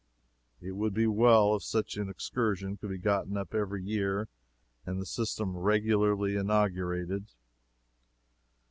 It would be well if such an excursion could be gotten up every year and the system regularly inaugurated.